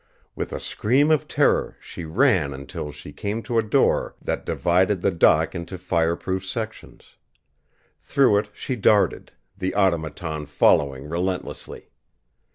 With a scream of terror she ran until she came to a door that divided the dock into fireproof sections. Through it she darted, the Automaton following relentlessly.